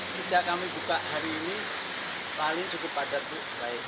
sejak kami buka hari ini lalin cukup padat dari arah jakarta